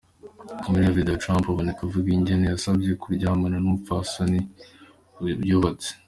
Muri iyo video, Trump aboneka avuga ingene yasavye kuryamana n’umupfasoni yubatse.